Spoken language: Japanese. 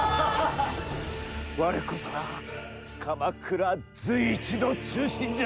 我こそが鎌倉随一の忠臣じゃ！